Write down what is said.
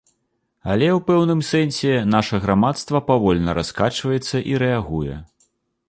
Але, у пэўным сэнсе, наша грамадства павольна раскачваецца і рэагуе.